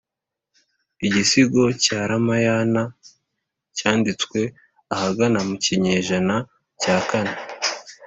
igisigo cya ramayana cyanditswe ahagana mu kinyejana cya kane